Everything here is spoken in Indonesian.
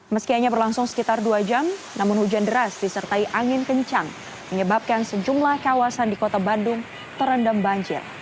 meski hanya berlangsung sekitar dua jam namun hujan deras disertai angin kencang menyebabkan sejumlah kawasan di kota bandung terendam banjir